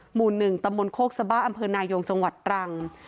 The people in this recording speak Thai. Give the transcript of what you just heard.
หมู่๑ตำบลโคกสบ้าอำเภอนายงจังหวัดตรัง